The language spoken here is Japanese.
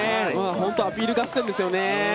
アピール合戦ですよね。